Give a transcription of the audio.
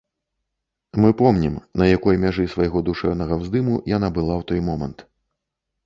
Мы помнім, на якой мяжы свайго душэўнага ўздыму яна была ў той момант.